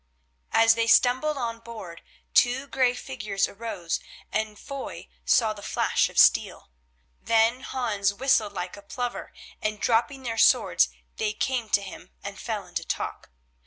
As they scrambled on board, two grey figures arose and Foy saw the flash of steel. Then Hans whistled like a plover, and, dropping their swords they came to him and fell into talk.